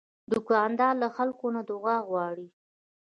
دوکاندار له خلکو نه دعا غواړي.